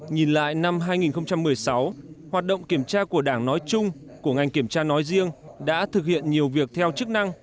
nhìn lại năm hai nghìn một mươi sáu hoạt động kiểm tra của đảng nói chung của ngành kiểm tra nói riêng đã thực hiện nhiều việc theo chức năng